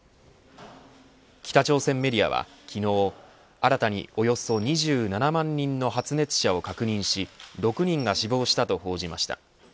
北朝鮮メディアは昨日新たに、およそ２７万人の発熱者を確認し６人が死亡したと報じました。